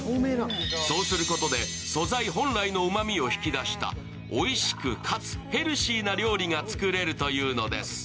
そうすることで素材本来のうまみを引き出したおいしくかつヘルシーな料理が作れるというのです。